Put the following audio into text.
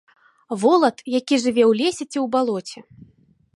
Волат, які жыве ў лесе ці ў балоце.